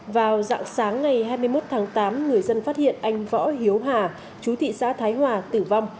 vào dạng sáng ngày hai mươi một tháng tám người dân phát hiện anh võ hiếu hà chú thị xã thái hòa tử vong